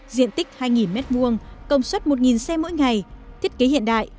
diện tích hai m hai công suất một xe mỗi ngày thiết kế hiện đại